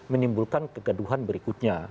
menimbulkan kegaduhan berikutnya